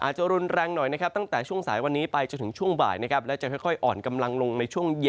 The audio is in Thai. ห้องกลางเนื่องก็อ่อนกำลังเลย